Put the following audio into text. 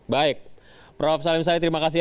baik prof salim said terima kasih